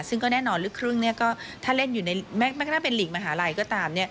ซึ่งก็แน่นอนลูกครึ่งถ้าเล่นอยู่ในแม้กระทั่งเป็นหลีกมหาลัยก็ตาม